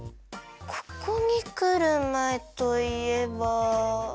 ここにくるまえといえば。